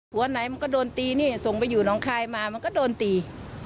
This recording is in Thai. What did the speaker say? หัวไหนมันก็โดนตีนี่ส่งไปอยู่น้องคายมามันก็โดนตี